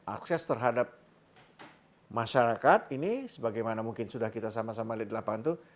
akses terhadap masyarakat ini sebagaimana mungkin sudah kita sama sama lihat di lapangan itu